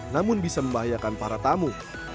namun bisa membahayakan para tamu